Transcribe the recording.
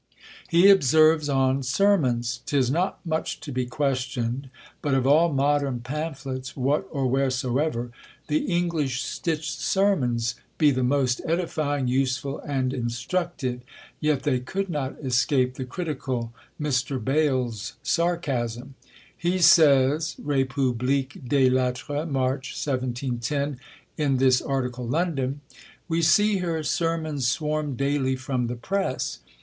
He observes on Sermons, "'Tis not much to be questioned, but of all modern pamphlets what or wheresoever, the English stitched Sermons be the most edifying, useful, and instructive, yet they could not escape the critical Mr. Bayle's sarcasm. He says, 'République des Lettres,' March, 1710, in this article London, 'We see here sermons swarm daily from the press.